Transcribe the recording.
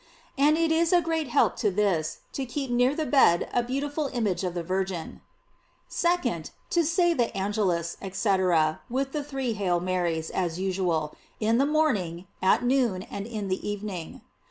And it is a great help to this, to keep near the bed a beautiful image of the Virgin. 2d. To say the Angelas, &c., with the three "Hail Marys," as usual, in the morning, at noon, and in the evening.